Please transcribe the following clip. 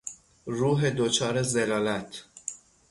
روح دچار ضلالت